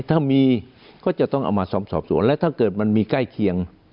ถ้ามีก็จะต้องเอามาซ้อมสอบสวนและถ้าเกิดมันมีใกล้เคียง